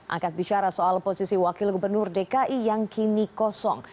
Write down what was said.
angkat bicara soal posisi wakil gubernur dki yang kini kosong